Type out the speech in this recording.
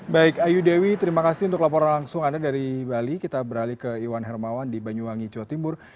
baik ayu dewi terima kasih untuk laporan langsung anda dari bali kita beralih ke iwan hermawan di banyuwangi jawa timur